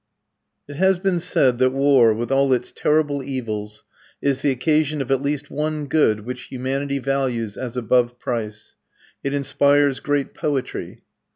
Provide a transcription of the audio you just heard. It has been said that war, with all its terrible evils, is the occasion of at least one good which humanity values as above price: it inspires great poetry.